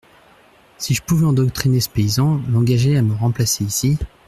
Si je pouvais endoctriner ce paysan, l’engager à me remplacer ici…